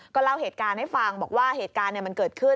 เล่าเหตุการณ์ให้ฟังบอกว่าเหตุการณ์มันเกิดขึ้น